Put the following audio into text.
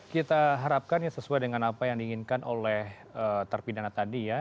kita harapkan ya sesuai dengan apa yang diinginkan oleh terpidana tadi ya